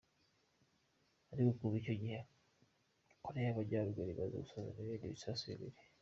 Ariko kuva icyo gihe, Koreya y'Amajyaruguru imaze gusuzuma ibindi bisasu bibiri.